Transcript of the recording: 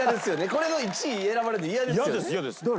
これの１位に選ばれるの嫌ですよね。